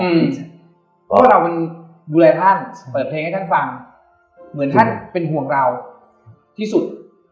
เพราะว่าเรามันดูแลท่านเปิดเพลงให้ท่านฟังเหมือนท่านเป็นห่วงเราที่สุด